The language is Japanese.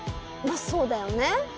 まあそうだよね。